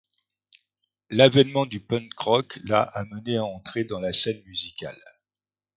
L'avènement du punk rock l'a amené à entrer dans la scène musicale.